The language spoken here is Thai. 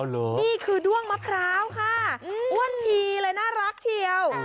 นี่คือด้วงมะพร้าวค่ะอ้วนพีเลยน่ารักเชียว